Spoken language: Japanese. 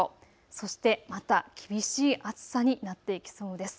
そして、また厳しい暑さになっていきそうです。